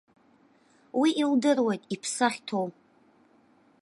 Уи илдыруеит иԥсы ахьҭоу.